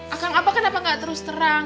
akang aba kenapa gak terus terang